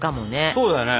そうだよね！